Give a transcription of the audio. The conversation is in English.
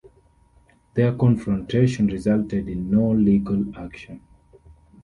Their confrontation resulted in no legal action.